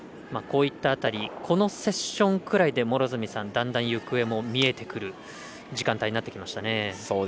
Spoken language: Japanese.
こういった辺りこのセッションくらいでだんだん行方も見えてくる時間帯になってきましたね。